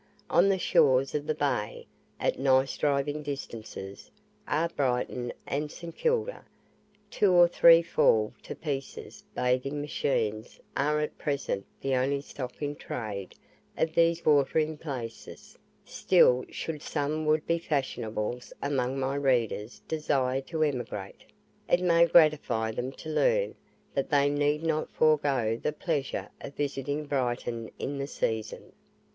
On the shores of the bay, at nice driving distances, are Brighton and St. Kilda. Two or three fall to pieces bathing machines are at present the only stock in trade of these watering places; still, should some would be fashionables among my readers desire to emigrate, it may gratify them to learn that they need not forego the pleasure of visiting Brighton in the season.